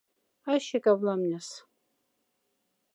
Ащек аф ламняс.